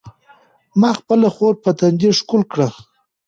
ما خپله خور په تندي ښکل کړه.